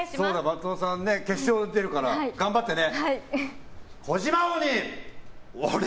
松尾さん、決勝に出るから頑張ってね！